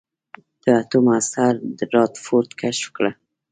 د اتوم هسته رادرفورډ کشف کړه.